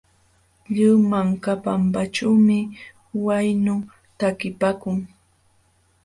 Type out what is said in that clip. Lliw wanka pampaćhuumi waynu takipaakun.